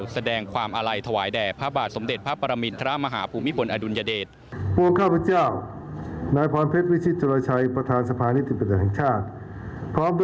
แสดงความอลัยถวายแด่พระบาทสมเด็จพระปรมิตรทมออ